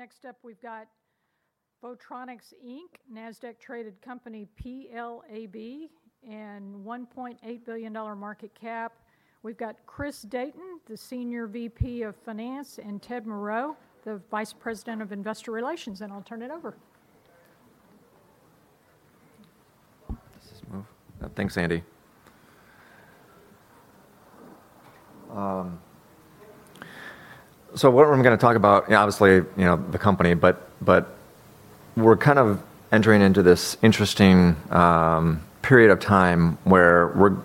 Next up, we've got Photronics Inc., NASDAQ-traded company PLAB, $1.8 billion market cap. We've got Christopher Dayton, the Senior VP of Finance, and Ted Moreau, the Vice President of Investor Relations. I'll turn it over. Does this move? Thanks, Andy. What I'm going to talk about, obviously, the company, we're kind of entering into this interesting period of time where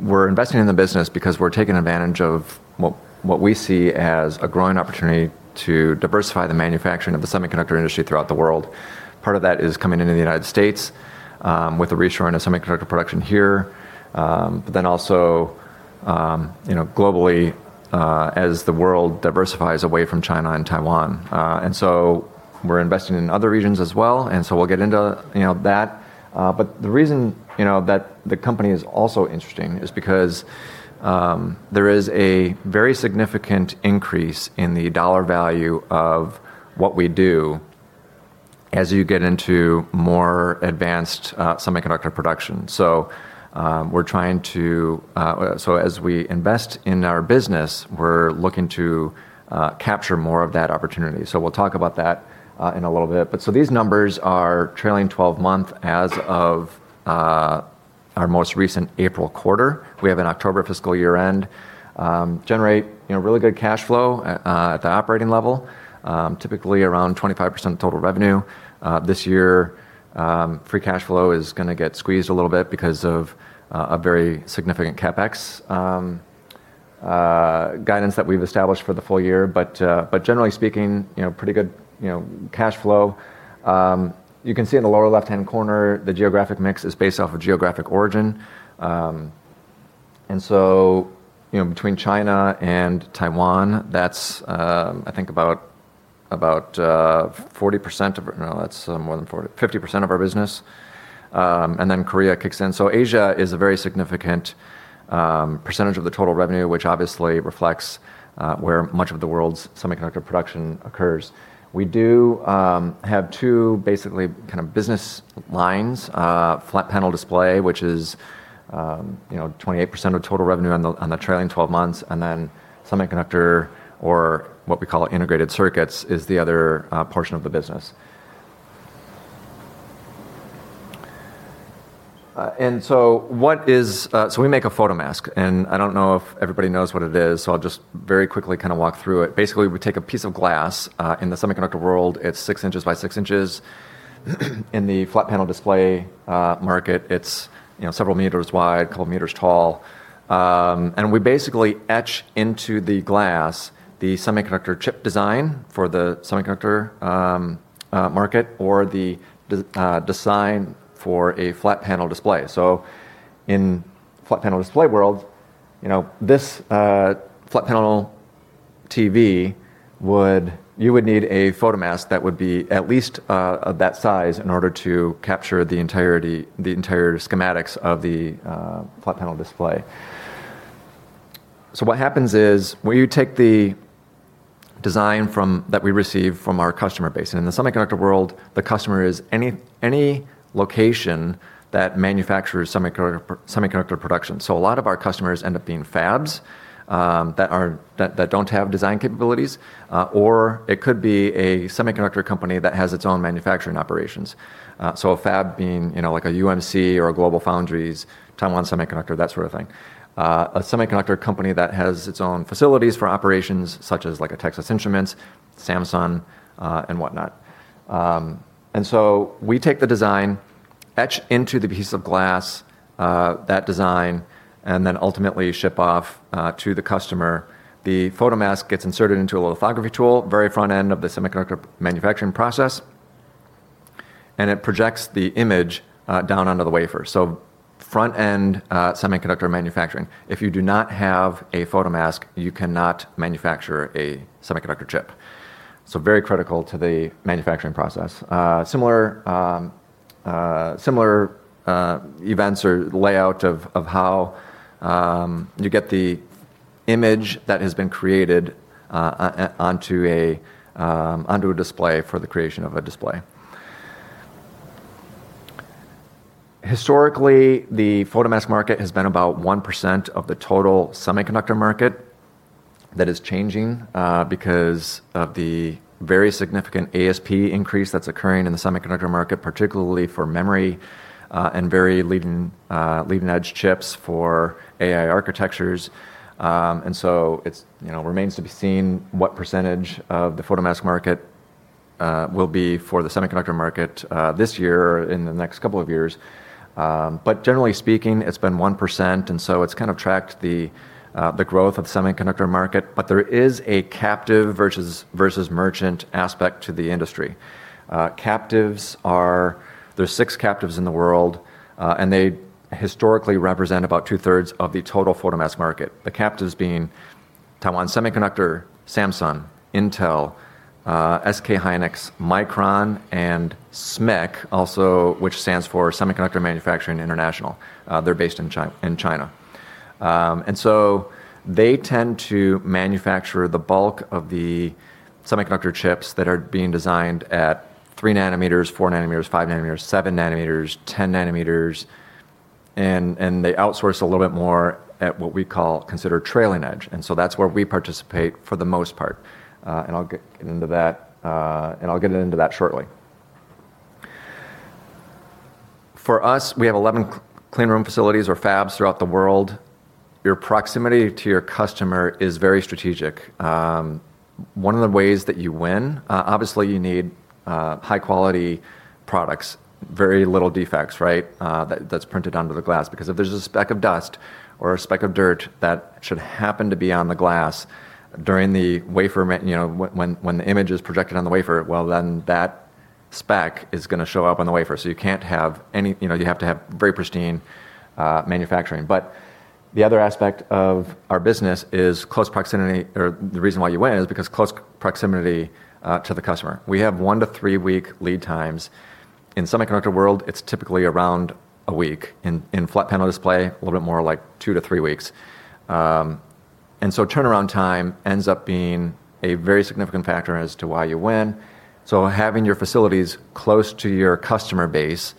we're investing in the business because we're taking advantage of what we see as a growing opportunity to diversify the manufacturing of the semiconductor industry throughout the world. Part of that is coming into the U.S. with a reshoring of semiconductor production here, also globally, as the world diversifies away from China and Taiwan. We're investing in other regions as well, we'll get into that. The reason that the company is also interesting is because there is a very significant increase in the dollar value of what we do as you get into more advanced semiconductor production. As we invest in our business, we're looking to capture more of that opportunity. We'll talk about that in a little bit. These numbers are trailing 12-month as of our most recent April quarter. We have an October fiscal year-end. Generate really good cash flow at the operating level, typically around 25% of total revenue. This year, free cash flow is going to get squeezed a little bit because of a very significant CapEx guidance that we've established for the full-year. Generally speaking, pretty good cash flow. You can see in the lower left-hand corner, the geographic mix is based off of geographic origin. Between China and Taiwan, that's, I think, about 40%, 50% of our business. Korea kicks in. Asia is a very significant percentage of the total revenue, which obviously reflects where much of the world's semiconductor production occurs. We do have two basically kind of business lines, flat panel display, which is 28% of total revenue on the trailing 12 months, semiconductor or what we call integrated circuits is the other portion of the business. We make a photomask, I don't know if everybody knows what it is, I'll just very quickly kind of walk through it. Basically, we take a piece of glass. In the semiconductor world, it's 6 in by 6 in. In the flat panel display market, it's several meters wide, a couple meters tall. We basically etch into the glass the semiconductor chip design for the semiconductor market or the design for a flat panel display. In flat panel display world, this flat panel TV. You would need a photomask that would be at least of that size in order to capture the entire schematics of the flat panel display. What happens is, where you take the design that we receive from our customer base, and in the semiconductor world, the customer is any location that manufactures semiconductor production. A lot of our customers end up being fabs that don't have design capabilities, or it could be a semiconductor company that has its own manufacturing operations. A fab being like a UMC or a GlobalFoundries, Taiwan Semiconductor, that sort of thing. A semiconductor company that has its own facilities for operations, such as like a Texas Instruments, Samsung, and whatnot. We take the design, etch into the piece of glass that design, and then ultimately ship off to the customer. The photomask gets inserted into a lithography tool, very front-end of the semiconductor manufacturing process, and it projects the image down onto the wafer. Front-end semiconductor manufacturing. If you do not have a photomask, you cannot manufacture a semiconductor chip. Very critical to the manufacturing process. Similar events or layout of how you get the image that has been created onto a display for the creation of a display. Historically, the photomask market has been about 1% of the total semiconductor market. That is changing because of the very significant ASP increase that's occurring in the semiconductor market, particularly for memory and very leading-edge chips for AI architectures. It remains to be seen what percentage of the photomask market will be for the semiconductor market this year or in the next couple of years. Generally speaking, it's been 1%, it's kind of tracked the growth of the semiconductor market. There is a captive versus merchant aspect to the industry. Captives. There's six captives in the world, and they historically represent about 2/3 of the total photomask market. The captives being Taiwan Semiconductor, Samsung, Intel, SK Hynix, Micron, and SMIC also, which stands for Semiconductor Manufacturing International. They're based in China. They tend to manufacture the bulk of the semiconductor chips that are being designed at 3 nm, 4 nm, 5 nm, 7 nm, 10 nm, and they outsource a little bit more at what we consider trailing edge. That's where we participate for the most part. I'll get into that shortly. For us, we have 11 clean room facilities or fabs throughout the world. Your proximity to your customer is very strategic. One of the ways that you win, obviously you need high-quality products, very little defects, right? That's printed onto the glass because if there's a speck of dust or a speck of dirt that should happen to be on the glass during the wafer. When the image is projected on the wafer, well, then that speck is going to show up on the wafer. You have to have very pristine manufacturing. The other aspect of our business is close proximity, or the reason why you win is because close proximity to the customer. We have one-to-three-week lead times. In semiconductor world, it's typically around a week. In flat panel display, a little bit more like two to three weeks. Turnaround time ends up being a very significant factor as to why you win. Having your facilities close to your customer base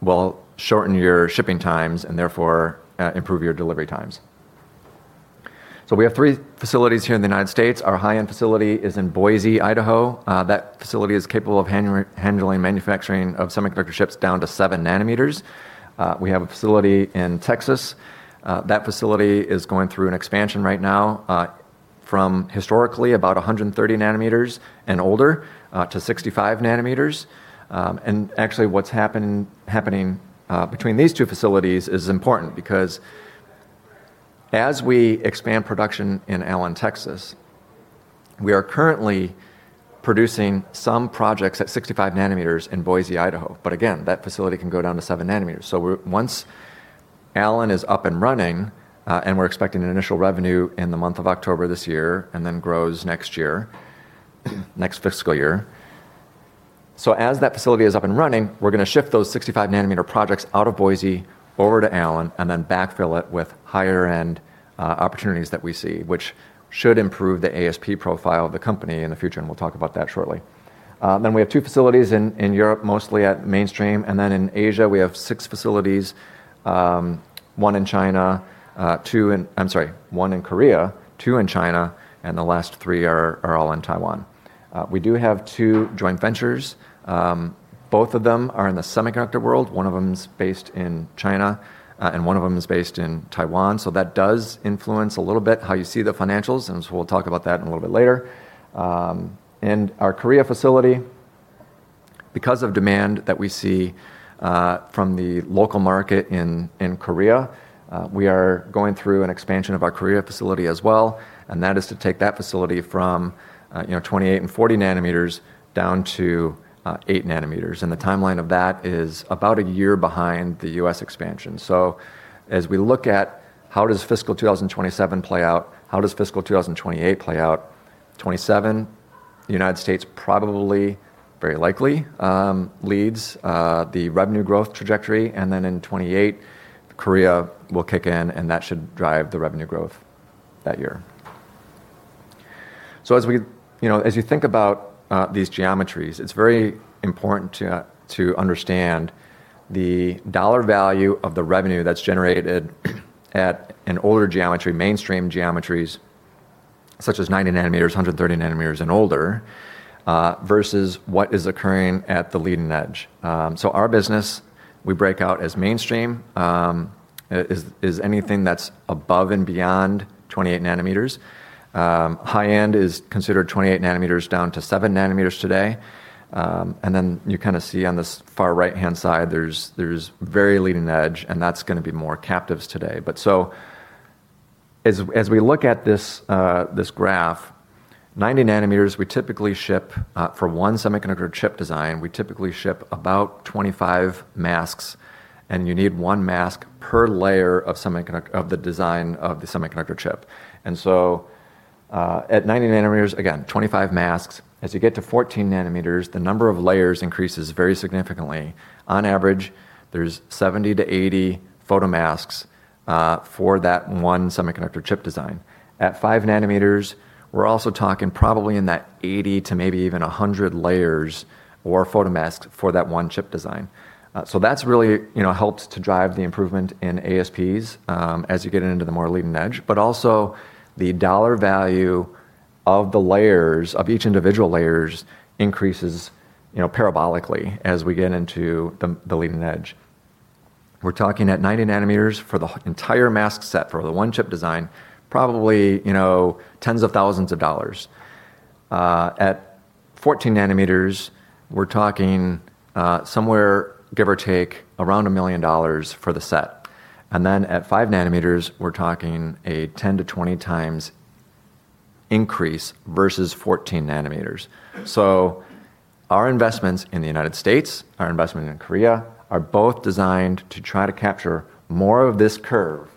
will shorten your shipping times and therefore improve your delivery times. We have three facilities here in the U.S. Our high-end facility is in Boise, Idaho. That facility is capable of handling manufacturing of semiconductor chips down to 7 nm. We have a facility in Texas. That facility is going through an expansion right now from historically about 130 nm and older, to 65 nm. Actually, what's happening between these two facilities is important because as we expand production in Allen, Texas, we are currently producing some projects at 65 nm in Boise, Idaho. But again, that facility can go down to 7 nm. Once Allen is up and running, we're expecting an initial revenue in the month of October this year, and then grows next year, next fiscal year. As that facility is up and running, we're going to shift those 65-nm projects out of Boise over to Allen and then backfill it with higher-end opportunities that we see, which should improve the ASP profile of the company in the future. We'll talk about that shortly. We have two facilities in Europe, mostly at mainstream. In Asia, we have six facilities, one in Korea, two in China, and the last three are all in Taiwan. We do have two joint ventures. Both of them are in the semiconductor world. One of them is based in China and one of them is based in Taiwan. That does influence a little bit how you see the financials. We'll talk about that in a little bit later. Our Korea facility, because of demand that we see from the local market in Korea, we are going through an expansion of our Korea facility as well. That is to take that facility from 28 nm and 40 nm down to 8 nm. The timeline of that is about a year behind the U.S. expansion. As we look at how does fiscal 2027 play out, how does fiscal 2028 play out? 2027, U.S. probably very likely leads the revenue growth trajectory, and then in 2028, Korea will kick in and that should drive the revenue growth that year. As you think about these geometries, it's very important to understand the dollar value of the revenue that's generated at an older geometry, mainstream geometries, such as 90 nm, 130 nm and older, versus what is occurring at the leading-edge. Our business, we break out as mainstream, is anything that's above and beyond 28 nm. High-end is considered 28 nm down to 7 nm today. You kind of see on this far right-hand side, there's very leading-edge, and that's going to be more captives today. As we look at this graph, 90 nm, for one semiconductor chip design, we typically ship about 25 masks, and you need one mask per layer of the design of the semiconductor chip. At 90 nm, again, 25 masks. As you get to 14 nm, the number of layers increases very significantly. On average, there's 70-80 photomasks for that one semiconductor chip design. At 5 nm, we're also talking probably in that 80 to maybe even 100 layers or photomasks for that one-chip design. That's really helped to drive the improvement in ASPs as you get into the more leading-edge. Also, the dollar value of each individual layers increases parabolically as we get into the leading-edge. We're talking at 90 nm for the entire mask set for the one-chip design, probably tens of thousands of dollars. At 14 nm, we're talking somewhere, give or take, around $1 million for the set. Then at 5 nm, we're talking a 10x-20x increase versus 14 nm. Our investments in the U.S., our investments in Korea, are both designed to try to capture more of this curve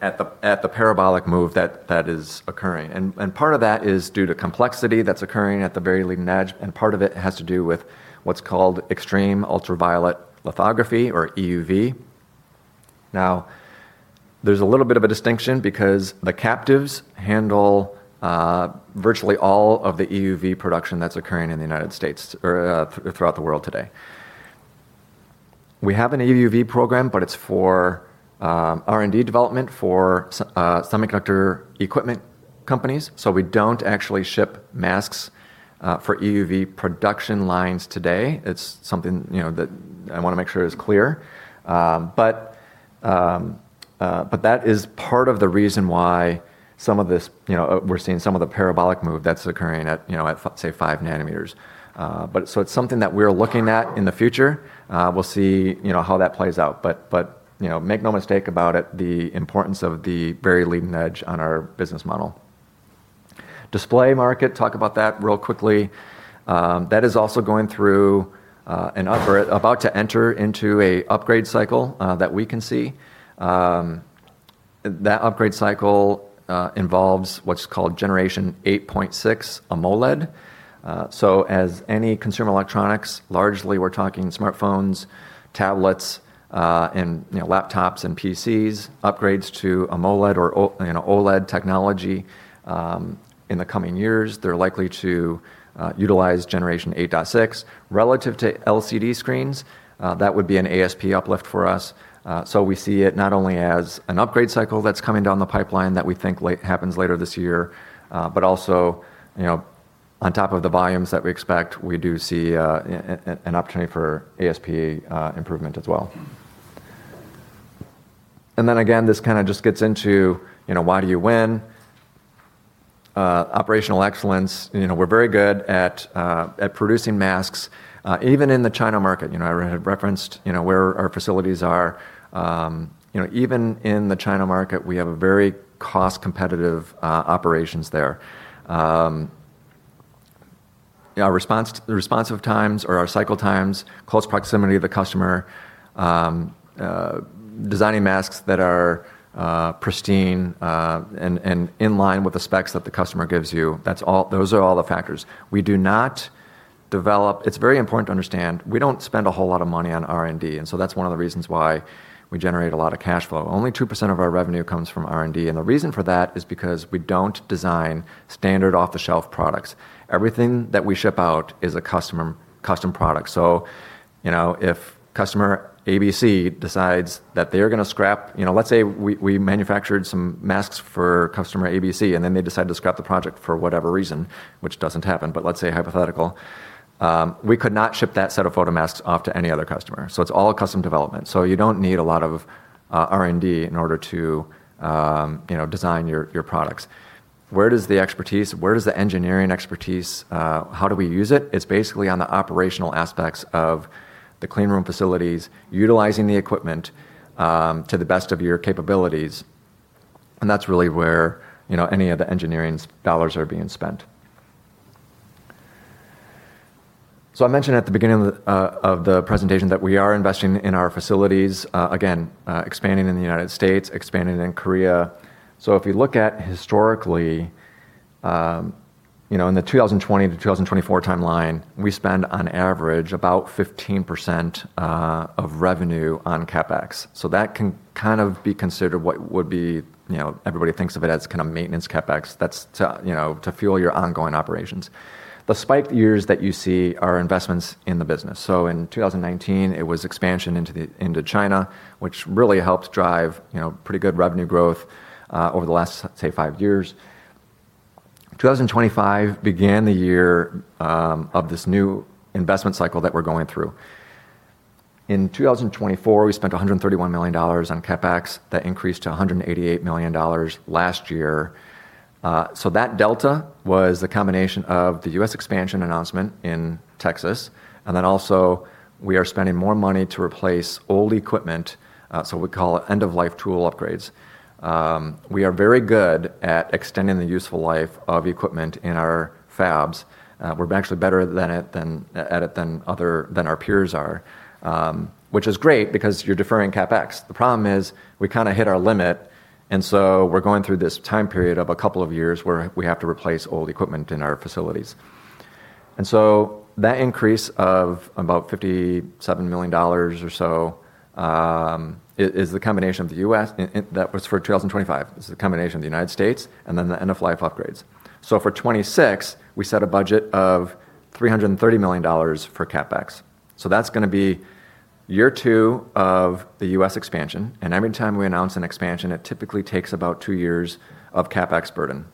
at the parabolic move that is occurring. Part of that is due to complexity that's occurring at the very leading-edge, and part of it has to do with what's called extreme-ultraviolet lithography or EUV. There's a little bit of a distinction because the captives handle virtually all of the EUV production that's occurring in the U.S. or throughout the world today. We have an EUV program, but it's for R&D development for semiconductor equipment companies. We don't actually ship masks for EUV production lines today. It's something that I want to make sure is clear. That is part of the reason why we're seeing some of the parabolic move that's occurring at, say, 5 nm. It's something that we're looking at in the future. We'll see how that plays out, but make no mistake about it, the importance of the very leading-edge on our business model. Display market, talk about that real quickly. That is also going through and about to enter into a upgrade cycle that we can see. That upgrade cycle involves what's called Generation 8.6 AMOLED. As any consumer electronics, largely we're talking smartphones, tablets, and laptops and PCs, upgrades to AMOLED or OLED technology in the coming years, they're likely to utilize Generation 8.6. Relative to LCD screens, that would be an ASP uplift for us. We see it not only as an upgrade cycle that's coming down the pipeline that we think happens later this year. Also, on top of the volumes that we expect, we do see an opportunity for ASP improvement as well. Again, this kind of just gets into why do you win. Operational excellence. We're very good at producing masks, even in the China market. I referenced where our facilities are. Even in the China market, we have a very cost competitive operations there. The responsive times or our cycle times, close proximity to the customer, designing masks that are pristine, and in line with the specs that the customer gives you, those are all the factors. It's very important to understand, we don't spend a whole lot of money on R&D. That's one of the reasons why we generate a lot of cash flow. Only 2% of our revenue comes from R&D. The reason for that is because we don't design standard off-the-shelf products. Everything that we ship out is a custom product. Let's say we manufactured some masks for customer ABC, and then they decide to scrap the project for whatever reason, which doesn't happen, but let's say hypothetical. We could not ship that set of photomasks off to any other customer. It's all custom development. You don't need a lot of R&D in order to design your products. Where does the engineering expertise, how do we use it? It's basically on the operational aspects of the clean room facilities, utilizing the equipment to the best of your capabilities, and that's really where any of the engineering dollars are being spent. I mentioned at the beginning of the presentation that we are investing in our facilities. Again, expanding in the United States, expanding in Korea. If you look at historically, in the 2020-2024 timeline, we spend on average about 15% of revenue on CapEx. That can kind of be considered Everybody thinks of it as kind of maintenance CapEx. That's to fuel your ongoing operations. The spike years that you see are investments in the business. In 2019, it was expansion into China, which really helped drive pretty good revenue growth over the last, let's say, five years. 2025 began the year of this new investment cycle that we're going through. In 2024, we spent $131 million on CapEx. That increased to $188 million last year. That delta was the combination of the U.S. expansion announcement in Texas, and then also we are spending more money to replace old equipment, so we call it End-of-Life Tool Upgrades. We are very good at extending the useful life of equipment in our fabs. We're actually better at it than our peers are, which is great because you're deferring CapEx. The problem is we kind of hit our limit, and so we're going through this time period of a couple of years where we have to replace old equipment in our facilities. That increase of about $57 million or so, is the combination of the United States and then the End-of-Life Tool Upgrades. For 2026, we set a budget of $330 million for CapEx. That's going to be year two of the U.S. expansion, and every time we announce an expansion, it typically takes about two years of CapEx burden.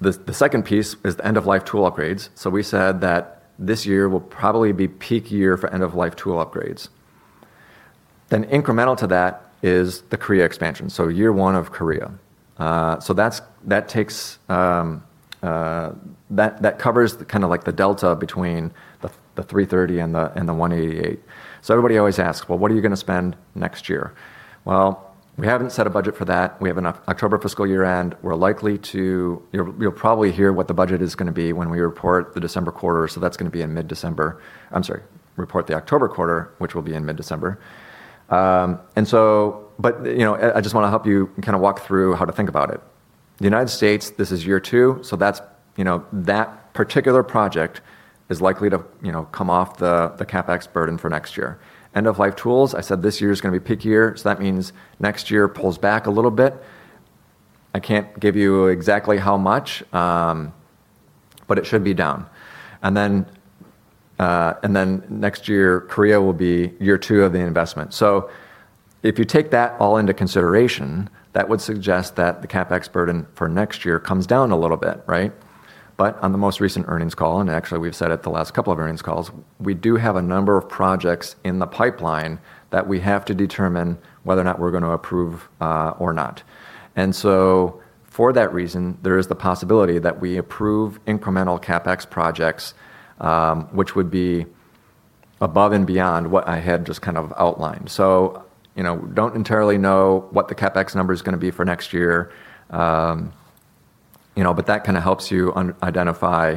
The second piece is the End-of-Life Tool Upgrades. We said that this year will probably be peak year for End-of-Life Tool Upgrades. Incremental to that is the Korea expansion. Year one of Korea. That covers kind of like the delta between the $330 million and the $188 million. Everybody always asks, "Well, what are you going to spend next year?" Well, we haven't set a budget for that. We have an October fiscal year-end. You'll probably hear what the budget is going to be when we report the December quarter, so that's going to be in mid-December. I'm sorry, report the October quarter, which will be in mid-December. But I just want to help you kind of walk through how to think about it. The United States, this is year two, so that particular project is likely to come off the CapEx burden for next year. End-of-Life Tool Upgrades, I said this year is going to be a peak year, so that means next year pulls back a little bit. I can't give you exactly how much, but it should be down. Next year, Korea will be year two of the investment. If you take that all into consideration, that would suggest that the CapEx burden for next year comes down a little bit, right? On the most recent earnings call, and actually we've said at the last couple of earnings calls, we do have a number of projects in the pipeline that we have to determine whether or not we're going to approve or not. For that reason, there is the possibility that we approve incremental CapEx projects, which would be above and beyond what I had just kind of outlined. Don't entirely know what the CapEx number's going to be for next year, but that kind of helps you identify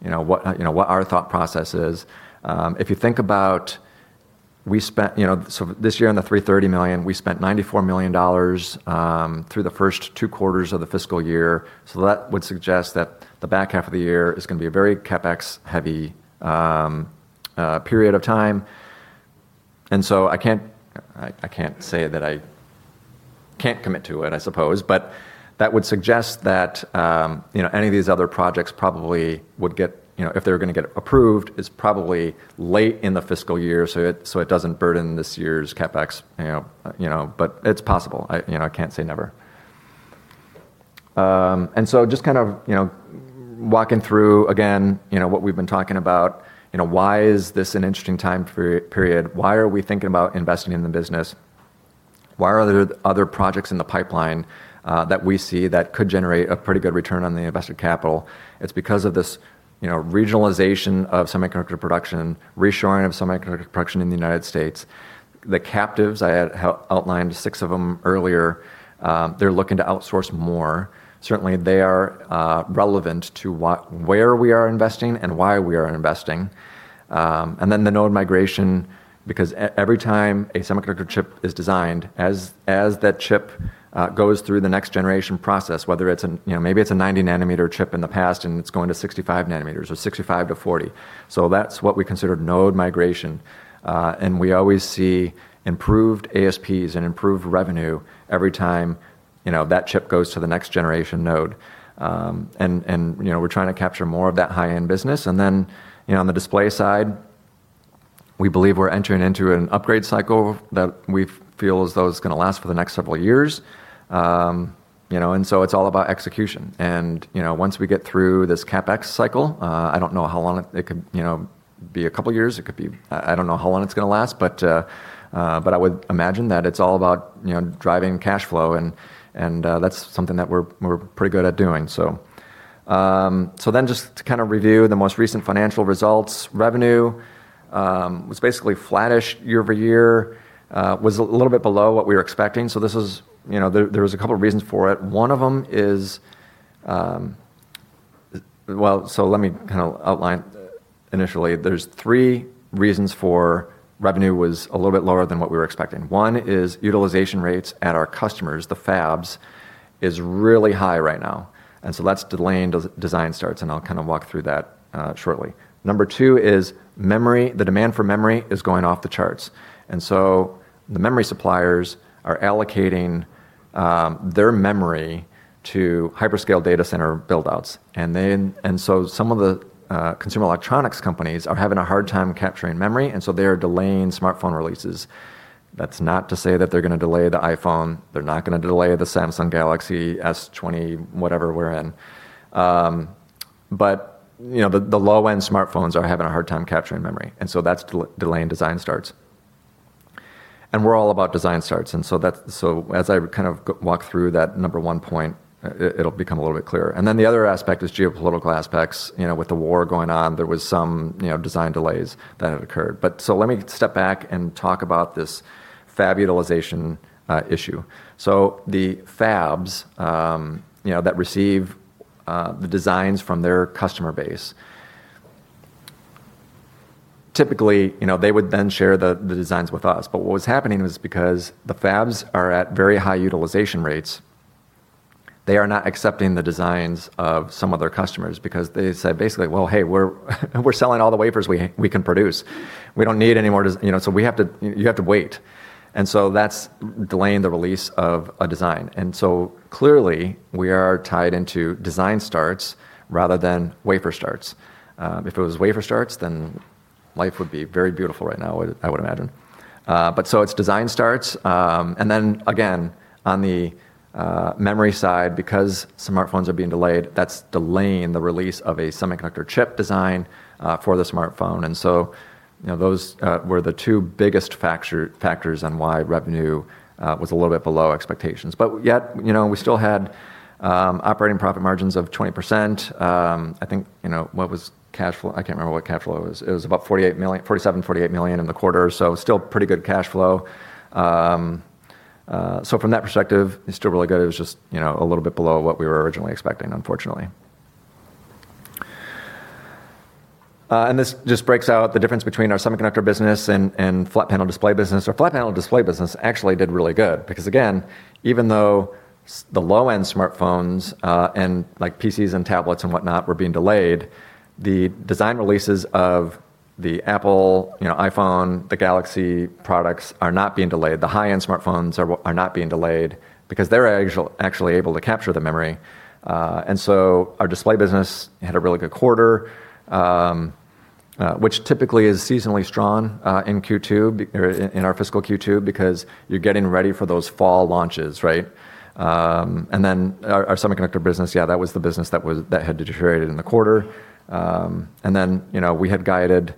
what our thought process is. If you think about this year on the $330 million, we spent $94 million through the first two quarters of the fiscal year. That would suggest that the back half of the year is going to be a very CapEx-heavy period of time. I can't say that I can't commit to it, I suppose, but that would suggest that any of these other projects probably, if they're going to get approved, is probably late in the fiscal year, so it doesn't burden this year's CapEx, but it's possible. I can't say never. Just kind of walking through again what we've been talking about, why is this an interesting time period? Why are we thinking about investing in the business? Why are there other projects in the pipeline that we see that could generate a pretty good return on the invested capital? It's because of this regionalization of semiconductor production, reshoring of semiconductor production in the U.S. The captives, I had outlined six of them earlier, they're looking to outsource more. Certainly, they are relevant to where we are investing and why we are investing. The node migration, because every time a semiconductor chip is designed, as that chip goes through the next generation process, maybe it's a 90-nm chip in the past and it's going to 65 nm or 65 nm-40 nm. That's what we consider node migration. We always see improved ASPs and improved revenue every time that chip goes to the next generation node. We're trying to capture more of that high-end business. On the display side, we believe we're entering into an upgrade cycle that we feel as though is going to last for the next several years. It's all about execution. Once we get through this CapEx cycle, I don't know how long. It could be a couple of years. I don't know how long it's going to last, but I would imagine that it's all about driving cash flow, and that's something that we're pretty good at doing. Just to kind of review the most recent financial results, revenue was basically flattish year-over-year, was a little bit below what we were expecting. There was a couple of reasons for it. Let me kind of outline initially. There's three reasons for revenue was a little bit lower than what we were expecting. One is utilization rates at our customers, the fabs, is really high right now, that's delaying design starts, and I'll kind of walk through that shortly. Number two is the demand for memory is going off the charts, the memory suppliers are allocating their memory to hyperscale data center build-outs. Some of the consumer electronics companies are having a hard time capturing memory, they are delaying smartphone releases. That's not to say that they're going to delay the iPhone. They're not going to delay the Samsung Galaxy S20, whatever we're in. The low-end smartphones are having a hard time capturing memory, that's delaying design starts. We're all about design starts. As I kind of walk through that number one point, it'll become a little bit clearer. The other aspect is geopolitical aspects. With the war going on, there was some design delays that had occurred. Let me step back and talk about this fab utilization issue. The fabs that receive the designs from their customer base, typically, they would then share the designs with us. What was happening was because the fabs are at very high utilization rates, they are not accepting the designs of some of their customers because they said basically, "Well, hey, we're selling all the wafers we can produce. We don't need any more, so you have to wait." That's delaying the release of a design. Clearly, we are tied into design starts rather than wafer starts. If it was wafer starts, then life would be very beautiful right now, I would imagine. It's design starts, and then again, on the memory side, because smartphones are being delayed, that's delaying the release of a semiconductor chip design for the smartphone. Those were the two biggest factors on why revenue was a little bit below expectations. We still had operating profit margins of 20%. I think, what was cash flow? I can't remember what cash flow it was. It was about $47 million-$48 million in the quarter, still pretty good cash flow. From that perspective, it's still really good. It was just a little bit below what we were originally expecting, unfortunately. This just breaks out the difference between our semiconductor business and flat panel display business. Our flat panel display business actually did really good because again, even though the low-end smartphones and PCs and tablets and whatnot were being delayed, the design releases of the Apple iPhone, the Galaxy products are not being delayed. The high-end smartphones are not being delayed because they're actually able to capture the memory. Our display business had a really good quarter, which typically is seasonally strong in our fiscal Q2 because you're getting ready for those fall launches, right? Our semiconductor business, yeah, that was the business that had deteriorated in the quarter. We had guided--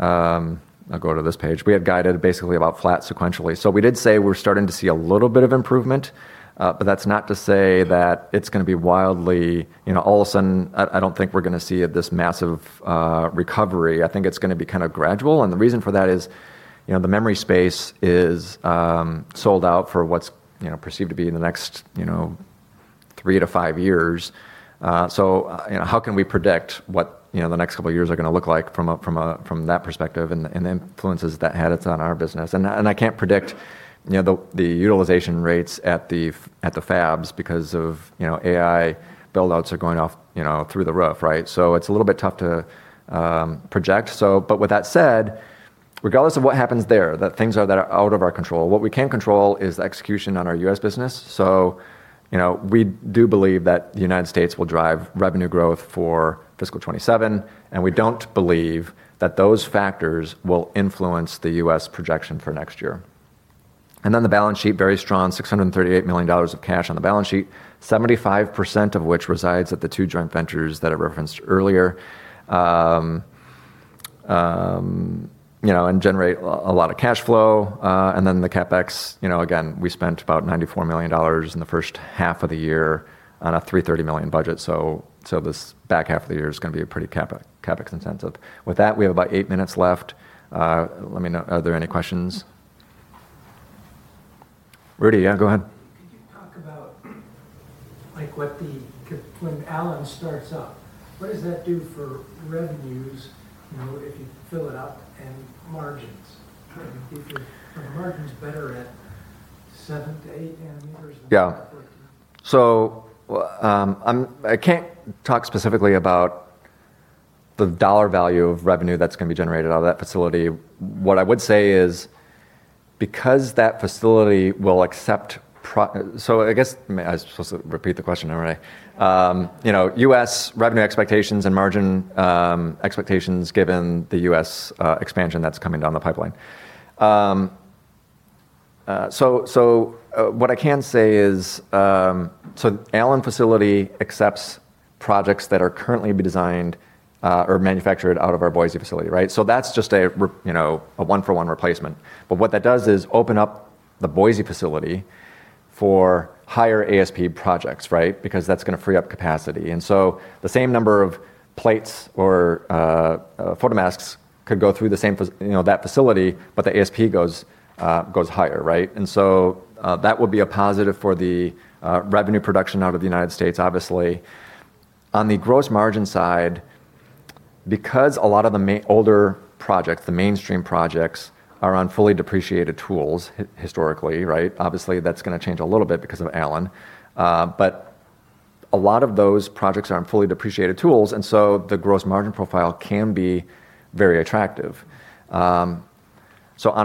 I'll go to this page. We had guided basically about flat sequentially. We did say we're starting to see a little bit of improvement, but that's not to say that it's going to be wildly-- all of a sudden, I don't think we're going to see this massive recovery. I think it's going to be kind of gradual, and the reason for that is the memory space is sold out for what's perceived to be in the next three to five years. How can we predict what the next couple of years are going to look like from that perspective and the influences that had it on our business? I can't predict the utilization rates at the fabs because of AI build-outs are going off through the roof, right? It's a little bit tough to project. With that said, regardless of what happens there, that things are out of our control. What we can control is execution on our U.S. business. We do believe that the United States will drive revenue growth for fiscal 2027, and we don't believe that those factors will influence the U.S. projection for next year. The balance sheet, very strong, $638 million of cash on the balance sheet, 75% of which resides at the two joint ventures that I referenced earlier, and generate a lot of cash flow. The CapEx, again, we spent about $94 million in the first half of the year on a $330 million budget. This back half of the year is going to be a pretty CapEx intensive. With that, we have about eight minutes left. Let me know, are there any questions? Rudy, yeah, go ahead. Could you talk about when Allen starts up, what does that do for revenues, if you fill it up, and margins? Are the margins better at 7 nm-8 nm? Yeah. I can't talk specifically about the dollar value of revenue that's going to be generated out of that facility. What I would say is, because that facility will accept. I guess I was supposed to repeat the question, all right. U.S. revenue expectations and margin expectations given the U.S. expansion that's coming down the pipeline. What I can say is, Allen facility accepts projects that are currently being designed or manufactured out of our Boise facility, right? That's just a one-for-one replacement. What that does is open up the Boise facility for higher ASP projects, right? Because that's going to free up capacity. The same number of plates or photomasks could go through that facility, but the ASP goes higher, right? That would be a positive for the revenue production out of the United States, obviously. On the gross margin side, because a lot of the older projects, the mainstream projects, are on fully depreciated tools historically, right? Obviously, that's going to change a little bit because of Allen. A lot of those projects are on fully depreciated tools, the gross margin profile can be very attractive. On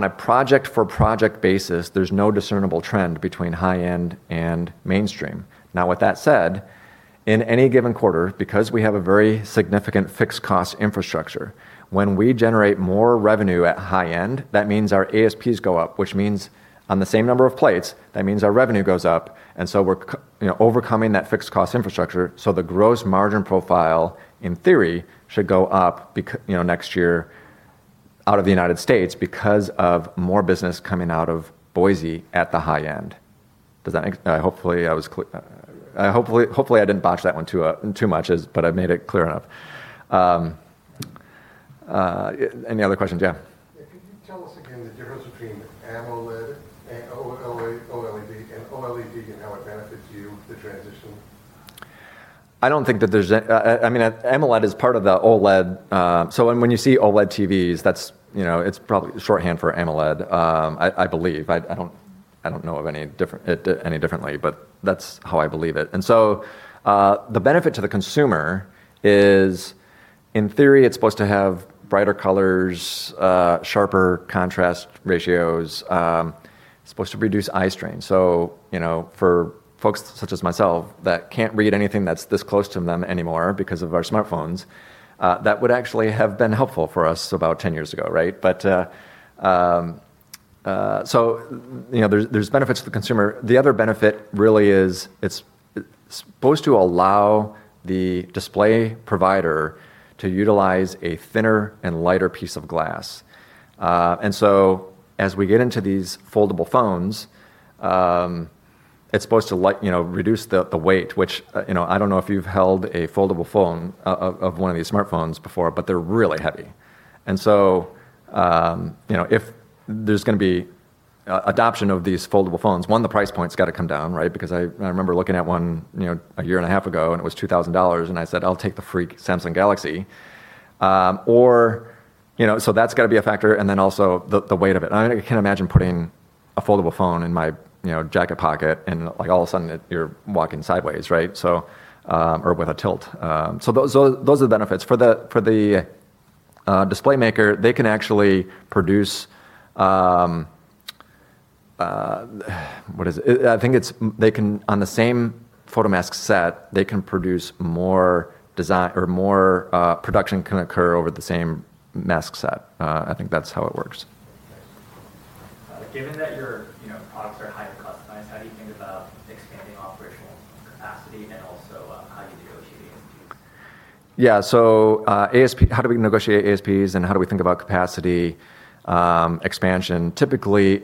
a project-for-project basis, there's no discernible trend between high-end and mainstream. Now, with that said, in any given quarter, because we have a very significant fixed cost infrastructure, when we generate more revenue at high-end, that means our ASPs go up, which means on the same number of plates, that means our revenue goes up, we're overcoming that fixed cost infrastructure. The gross margin profile, in theory, should go up next year out of the United States because of more business coming out of Boise at the high-end. Hopefully I didn't botch that one too much, but I made it clear enough. Any other questions? Yeah. Yeah. Could you tell us again the difference between AMOLED and OLED, and OLED and how it benefits you, the transition? AMOLED is part of the OLED. When you see OLED TVs, it's probably shorthand for AMOLED, I believe. I don't know of any differently, but that's how I believe it. The benefit to the consumer is, in theory, it's supposed to have brighter colors, sharper contrast ratios. It's supposed to reduce eye strain. For folks such as myself that can't read anything that's this close to them anymore because of our smartphones, that would actually have been helpful for us about 10 years ago, right? There's benefits to the consumer. The other benefit really is it's supposed to allow the display provider to utilize a thinner and lighter piece of glass. As we get into these foldable phones, it's supposed to reduce the weight. I don't know if you've held a foldable phone of one of these smartphones before, but they're really heavy. If there's going to be adoption of these foldable phones. One, the price point's got to come down, right? Because I remember looking at one a year and a half ago and it was $2,000, and I said, "I'll take the freak Samsung Galaxy." That's got to be a factor, and then also the weight of it. I can't imagine putting a foldable phone in my jacket pocket and all of a sudden you're walking sideways, right? Or with a tilt. Those are the benefits. For the display maker, they can actually produce. What is it? I think on the same photomask set, more production can occur over the same mask set. I think that's how it works. Yes. Given that your products are highly customized, how do you think about expanding operational capacity and also how you negotiate ASPs? Yeah. How do we negotiate ASPs and how do we think about capacity expansion? Typically,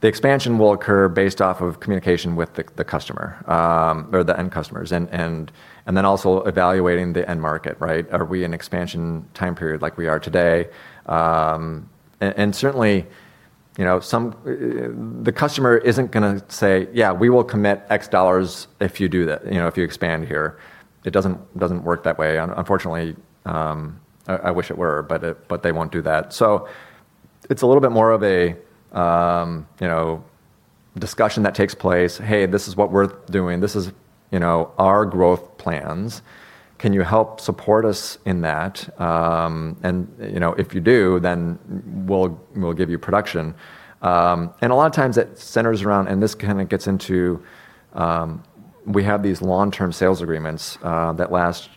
the expansion will occur based off of communication with the customer, or the end-customers, and then also evaluating the end-market, right? Are we in expansion time period like we are today? Certainly, the customer isn't going to say, "Yeah, we will commit X dollars if you expand here." It doesn't work that way, unfortunately. I wish it were, but they won't do that. It's a little bit more of a discussion that takes place, "Hey, this is what we're doing. This is our growth plans. Can you help support us in that? If you do, then we'll give you production." A lot of times it centers around, and this kind of gets into we have these long-term sales agreements that last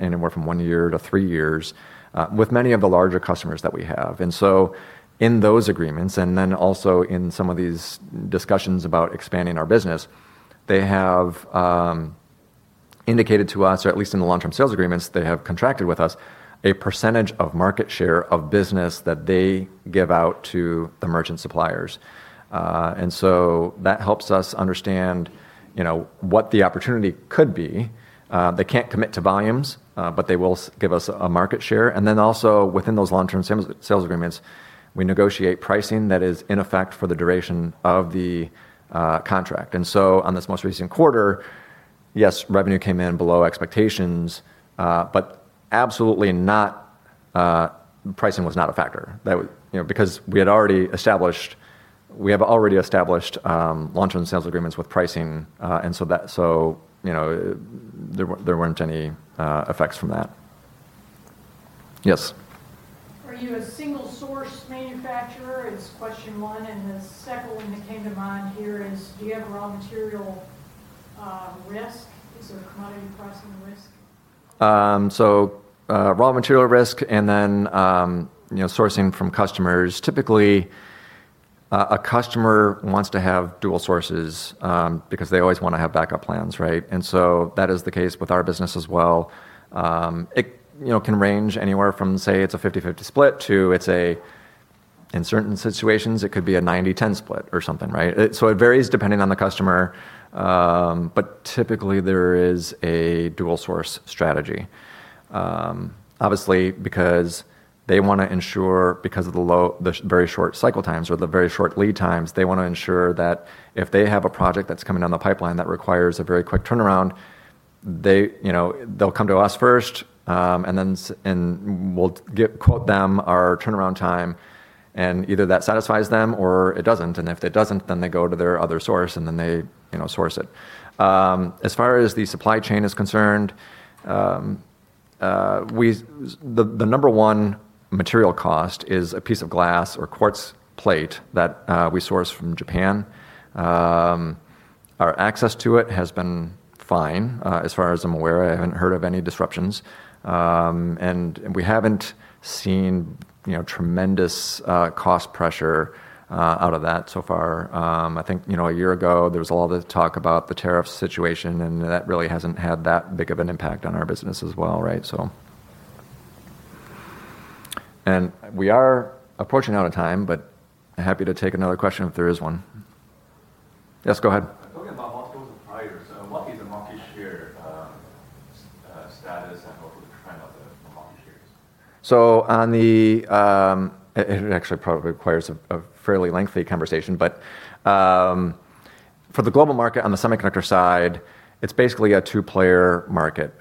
anywhere from one year to three years with many of the larger customers that we have. In those agreements, and then also in some of these discussions about expanding our business, they have indicated to us, or at least in the long-term sales agreements, they have contracted with us a percentage of market share of business that they give out to the merchant suppliers. That helps us understand what the opportunity could be. They can't commit to volumes, but they will give us a market share. Within those long-term sales agreements, we negotiate pricing that is in effect for the duration of the contract. On this most recent quarter, yes, revenue came in below expectations, absolutely pricing was not a factor. We have already established long-term sales agreements with pricing, there weren't any effects from that. Yes. Are you a single-source manufacturer? Is question one, and the second one that came to mind here is do you have raw material risk? Is there a commodity pricing risk? Raw material risk and then sourcing from customers. Typically, a customer wants to have dual sources because they always want to have backup plans, right? That is the case with our business as well. It can range anywhere from, say, it's a 50/50 split to, in certain situations, it could be a 90/10 split or something, right? It varies depending on the customer, but typically there is a dual-source manufacturing strategy. Obviously, because of the very short cycle times or the very short lead times, they want to ensure that if they have a project that's coming down the pipeline that requires a very quick turnaround, they'll come to us first, and we'll quote them our turnaround time, and either that satisfies them or it doesn't. If it doesn't, then they go to their other source, and then they source it. As far as the supply chain is concerned, the number one material cost is a piece of glass or quartz plate that we source from Japan. Our access to it has been fine as far as I'm aware. I haven't heard of any disruptions. We haven't seen tremendous cost pressure out of that so far. I think a year ago there was a lot of talk about the tariff situation, that really hasn't had that big of an impact on our business as well, right? We are approaching out of time, but happy to take another question if there is one. Yes, go ahead. Talking about multiples and priors, what is the market share status and what was the trend of the market shares? It actually probably requires a fairly lengthy conversation. For the global market on the semiconductor side, it's basically a two-player market.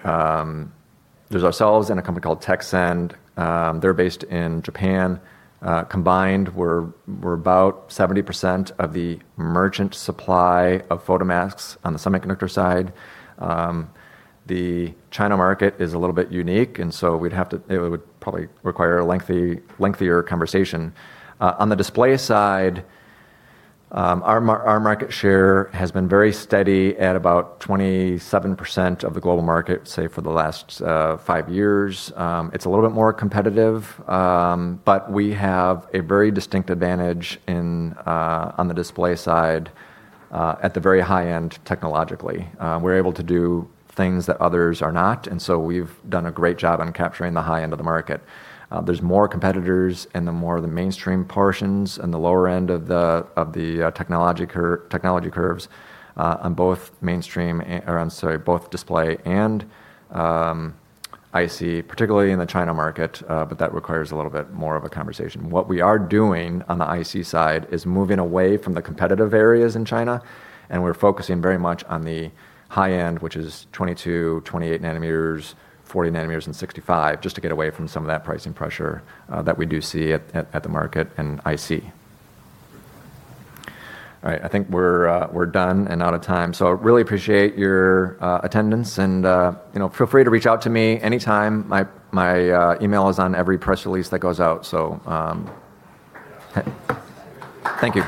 There's ourselves and a company called Tekscend. They're based in Japan. Combined, we're about 70% of the merchant supply of photomasks on the semiconductor side. The China market is a little bit unique. It would probably require a lengthier conversation. On the display side, our market share has been very steady at about 27% of the global market, say for the last five years. It's a little bit more competitive. We have a very distinct advantage on the display side at the very high-end technologically. We're able to do things that others are not, and so we've done a great job on capturing the high-end of the market. There's more competitors in the more the mainstream portions and the lower-end of the technology curves on both display and IC, particularly in the China market. That requires a little bit more of a conversation. What we are doing on the IC side is moving away from the competitive areas in China. We're focusing very much on the high-end, which is 22 nm, 28 nm, 40 nm, and 65 nm, just to get away from some of that pricing pressure that we do see at the market in IC. All right. Really appreciate your attendance and feel free to reach out to me anytime. My email is on every press release that goes out. Thank you.